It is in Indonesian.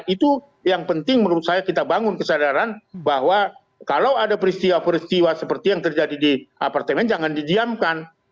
itu yang penting menurut saya kita bangun kesadaran bahwa kalau ada peristiwa peristiwa seperti yang terjadi di apartemen jangan didiamkan